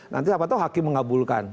nanti apatah hakim mengabulkan